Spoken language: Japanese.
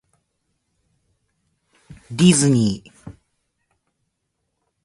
ディズニー